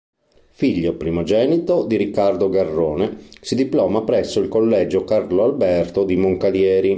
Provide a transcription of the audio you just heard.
Figlio primogenito di Riccardo Garrone, si diploma presso il Collegio Carlo Alberto di Moncalieri.